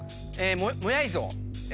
モヤイ像。